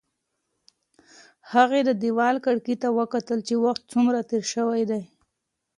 هغې د دېوال ګړۍ ته وکتل چې وخت څومره تېر شوی دی.